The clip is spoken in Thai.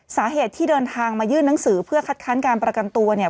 สาเหตุที่เดินทางมายื่นหนังสือเพื่อคัดค้านการประกันตัวเนี่ย